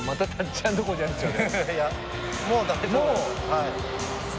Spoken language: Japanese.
はい。